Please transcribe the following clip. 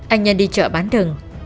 anh nhân đi chợ bán thừng